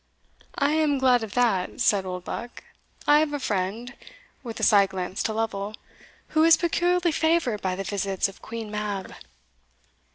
"I am glad of that," said Oldbuck; "I have a friend" (with a side glance to Lovel) "who is peculiarly favoured by the visits of Queen Mab."